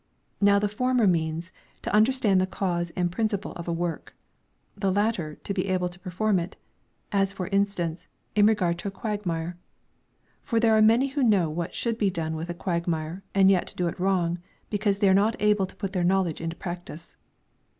Now the former means, to understand the cause and principle of a work; the latter, to be able to perform it: as, for instance, in regard to a quagmire; for there are many who know what should be done with a quagmire and yet do it wrong, because they are not able to put their knowledge into practice.